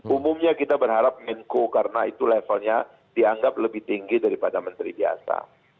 umumnya kita berharap menko karena itu levelnya dianggap lebih tinggi daripada menteri biasa